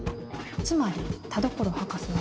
つまり田所博士は